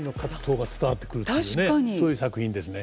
そういう作品ですね。